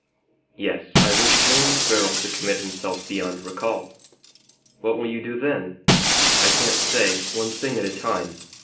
"Yes. I wish Julius Beryl to commit himself beyond recall." "What will you do then?" "I can't say. One thing at a time.